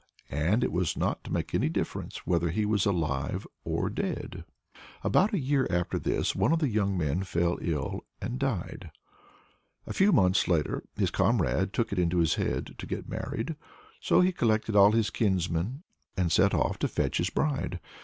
And it was not to make any difference whether he was alive or dead. About a year after this one of the young men fell ill and died. A few months later his comrade took it into his head to get married. So he collected all his kinsmen, and set off to fetch his bride.